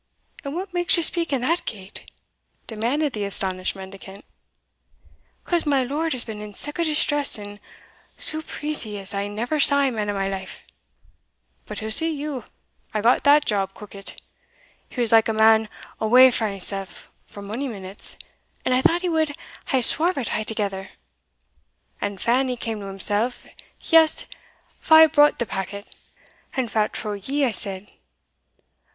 "And what makes ye speak in that gait?" demanded the astonished mendicant. "Because my lord has been in sic a distress and surpreese as I neer saw a man in my life. But he'll see you I got that job cookit. He was like a man awa frae himsell for mony minutes, and I thought he wad hae swarv't a'thegither, and fan he cam to himsell, he asked fae brought the packet and fat trow ye I said?"